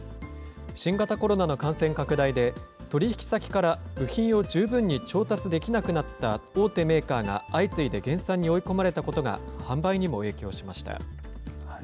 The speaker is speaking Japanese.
新型コロナの感染拡大で、取り引き先から部品を十分に調達できなくなった大手メーカーが、相次いで減産に追い込まれたことが販売にも影響しました。